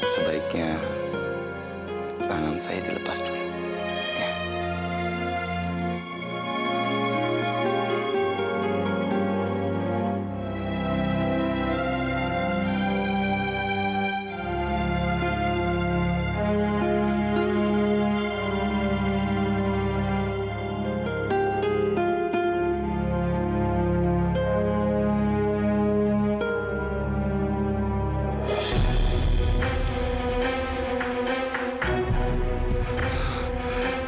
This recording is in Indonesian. sebaiknya tangan saya dilepas dulu